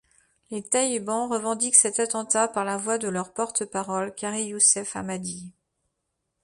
Les talibans revendiquent cet attentat par la voix de leur porte-parole Qari Youssef Ahmadi.